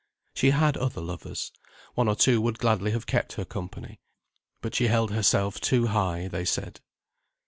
She had other lovers. One or two would gladly have kept her company, but she held herself too high, they said.